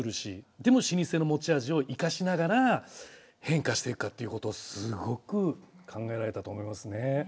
でも老舗の持ち味を生かしながら変化していくかっていうことをすごく考えられたと思いますね。